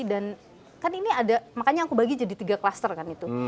dan kan ini ada makanya aku bagi jadi tiga kluster kan itu